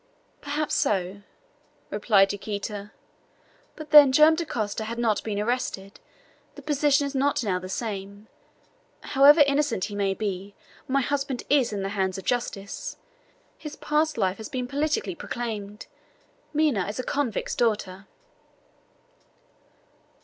"Perhaps so," replied Yaquita; "but then Joam Dacosta had not been arrested. The position is not now the same. However innocent he may be, my husband is in the hands of justice; his past life has been publicly proclaimed. Minha is a convict's daughter."